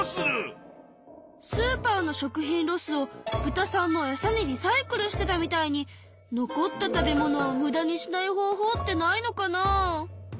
スーパーの食品ロスを豚さんのエサにリサイクルしてたみたいに残った食べ物をムダにしない方法ってないのかなあ？